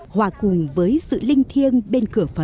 hòa cùng với sự linh thiêng bên cửa phật